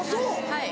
はい。